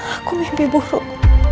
aku mimpi buruk